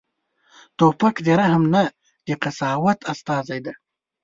توپک د رحم نه، د قساوت استازی دی.